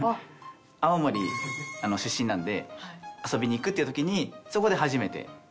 青森出身なんで遊びに行くっていう時にそこで初めて。